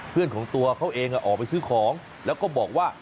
เพื่อนของตัวเขาเองออกไปซื้อของแล้วก็บอกว่า